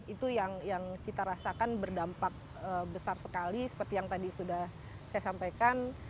itu yang kita rasakan berdampak besar sekali seperti yang tadi sudah saya sampaikan